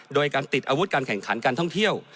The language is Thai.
โดยการติดอาวุธการแข่งขันการท่องเที่ยว